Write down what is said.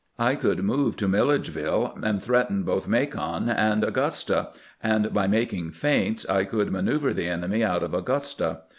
I could move to Milledge ville, and threaten both Macon and Augusta, and by making feints I could manoeuver the enemy out of Au gusta.